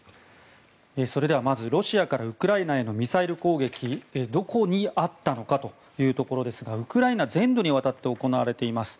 それではまずロシアからウクライナへのミサイル攻撃どこにあったのかというところですがウクライナ全土にわたって行われています。